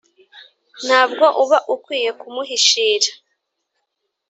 ntabwo uba ukwiye kumuhishira